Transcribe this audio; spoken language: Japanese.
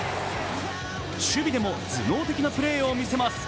守備でも頭脳的なプレーを見せます。